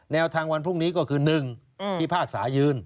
แนวทางวันพรุ่งนี้ก็คือ๑พิพากษายืน